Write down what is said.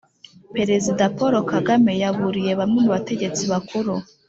perezida paul kagame yaburiye bamwe mu bategetsi bakuru